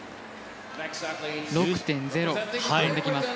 ６．０を跳んできます。